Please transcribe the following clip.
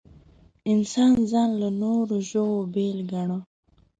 انسان ځان له نورو ژوو بېل ګاڼه.